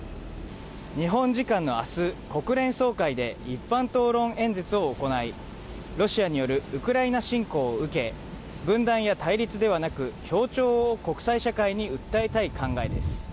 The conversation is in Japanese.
日本時間のあす、国連総会で一般討論演説を行い、ロシアによるウクライナ侵攻を受け、分断や対立ではなく、協調を国際社会に訴えたい考えです。